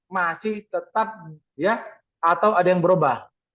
masih tetap ya atau ada yang berubah